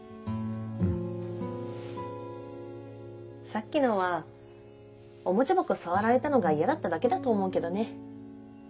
さっきのはおもちゃ箱触られたのが嫌だっただけだと思うけどね。